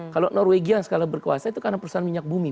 kalau norwegian skala berkuasa itu karena perusahaan minyak bumi